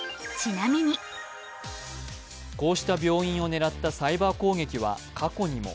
こうした病院を狙ったサイバー攻撃は過去にも。